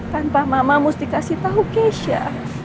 tanpa mama musti kasih tau kesya